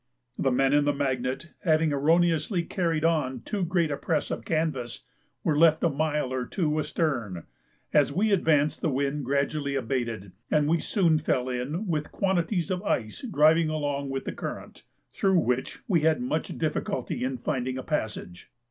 The men in the Magnet, having erroneously carried on too great a press of canvass, were left a mile or two astern. As we advanced the wind gradually abated, and we soon fell in with quantities of ice driving along with the current, through which we had much difficulty in finding a passage.